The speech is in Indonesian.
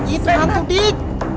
itu hantu dik